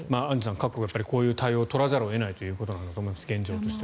各国こういう対応を取らざるを得ないということなんだと思います現状としては。